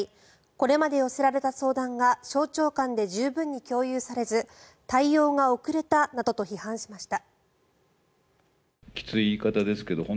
これまで寄せられた相談が省庁間で十分に共有されず対応が遅れたなどと批判しました。